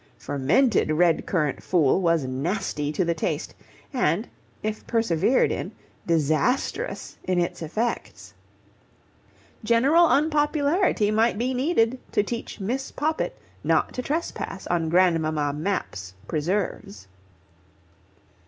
Fermented red currant fool was nasty to the taste, and, if persevered in, disastrous in its effects. General unpopularity might be needed to teach Miss Poppit not to trespass on Grandmamma Mapp's preserves.